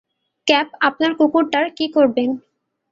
Cap, আপনার কুকুরটার কী করবেন?